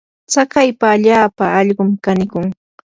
tsakaypa allaapa allqum kanikun.